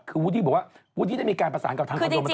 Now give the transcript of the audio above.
คือวูดี้บอกว่าวูดดี้ได้มีการประสานกับทางคอนโดมัน